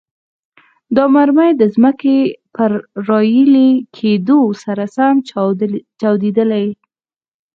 دا مرمۍ د ځمکې پر راایلې کېدو سره سم چاودیدلې.